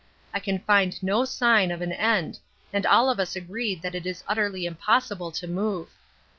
I can find no sign of an end, and all of us agree that it is utterly impossible to move.